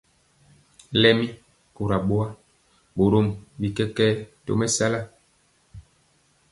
Lɛmi kora boa, borom bi kɛkɛɛ tɔ mesala.